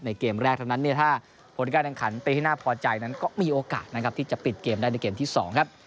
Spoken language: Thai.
ในเกมแรกเท่านั้นถ้าโพนิก้าดังขันไปให้น่าพอใจนั้นก็มีโอกาสนะครับที่จะปิดเกมได้ในเกมที่๒ครับ